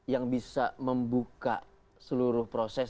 yang bisa membuka seluruh proses